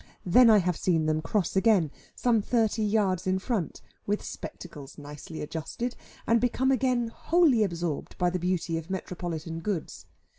Then I have seen them cross again, some thirty yards in front, with spectacles nicely adjusted, and become again wholly absorbed by the beauty of metropolitan goods.